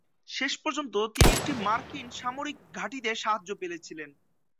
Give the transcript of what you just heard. শেষ পর্যন্ত, তিনি একটি মার্কিন সামরিক ঘাঁটিতে সাহায্য পেয়েছিলেন।